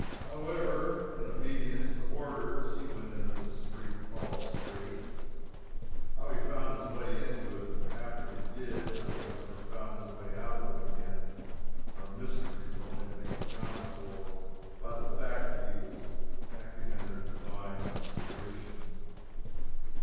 However, in obedience to orders, he went into the "street called Straight" (how he found his way into it, and after he did, how he ever found his way out of it again, are mysteries only to be accounted for by the fact that he was acting under Divine inspiration.)